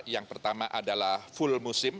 yang pertama adalah full musim